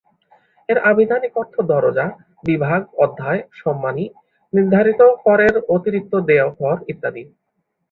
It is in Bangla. এর আভিধানিক অর্থ দরজা, বিভাগ, অধ্যায়, সম্মানী, নির্ধারিত করের অতিরিক্ত দেয় কর ইত্যাদি।